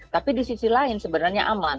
tapi di sisi lain sebenarnya aman